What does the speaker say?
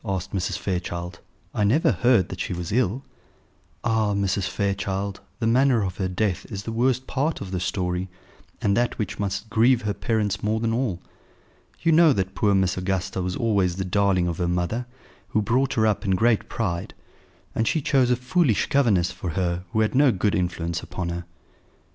asked Mrs. Fairchild. "I never heard that she was ill." "Ah! Mrs. Fairchild, the manner of her death is the worst part of the story, and that which must grieve her parents more than all. You know that poor Miss Augusta was always the darling of her mother, who brought her up in great pride; and she chose a foolish governess for her who had no good influence upon her."